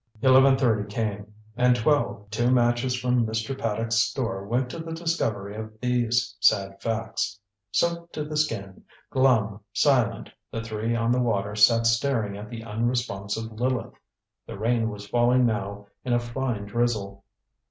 Eleven thirty came. And twelve. Two matches from Mr. Paddock's store went to the discovery of these sad facts. Soaked to the skin, glum, silent, the three on the waters sat staring at the unresponsive Lileth. The rain was falling now in a fine drizzle.